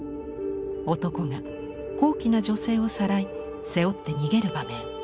男が高貴な女性をさらい背負って逃げる場面。